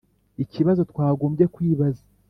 ikibazo twagombye kwibaza